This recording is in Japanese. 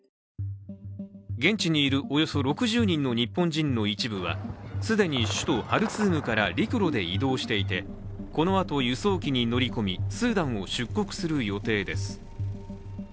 現地にいるおよそ６０人の日本人の一部は既に首都ハルツームから陸路で移動していて、このあと輸送機に乗り込みスーダンを出国する予定です。